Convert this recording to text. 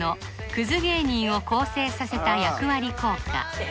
クズ芸人を更生させた役割効果